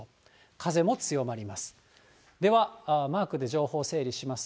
風も強まります。